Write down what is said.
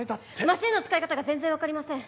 マシンの使い方が全然分かりません。